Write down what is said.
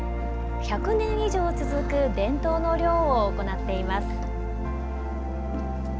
１００年以上続く伝統の漁を行っています。